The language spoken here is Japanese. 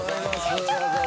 社長！